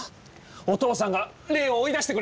お父さんが霊を追い出してくれたんだよ。